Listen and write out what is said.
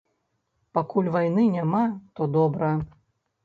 Пакуль вайны няма, то добра.